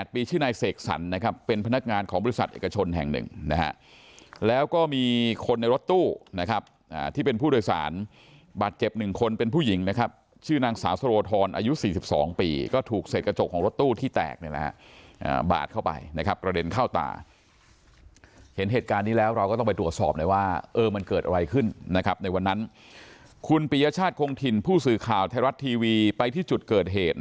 ปีชื่อในเสกสรรนะครับเป็นพนักงานของบริษัทเอกชนแห่งหนึ่งนะฮะแล้วก็มีคนในรถตู้นะครับอ่าที่เป็นผู้โดยสารบัตรเจ็บหนึ่งคนเป็นผู้หญิงนะครับชื่อนางสาวสโรทรอายุสี่สิบสองปีก็ถูกเสร็จกระจกของรถตู้ที่แตกเนี่ยนะฮะอ่าบาดเข้าไปนะครับกระเด็นเข้าตาเห็นเหตุการณ์นี้แล้วเราก็ต้องไปตรวจสอบเลยว่าเอ